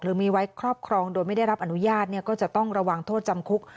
หรือมีไว้ครอบครองโดยไม่ได้รับอนุญาตก็จะต้องระวังโทษจำคุก